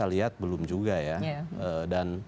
saya lihat belum juga ya